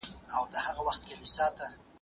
اغا مې ویل چې دوی له خلکو پیسې شکوي.